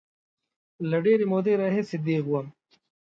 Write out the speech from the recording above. له ډېرې مودې راهیسې دیغ وم.